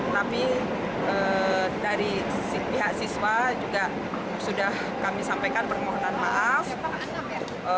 tapi dari pihak siswa juga sudah kami sampaikan permohonan maaf